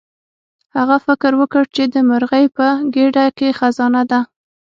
هغه فکر وکړ چې د مرغۍ په ګیډه کې خزانه ده.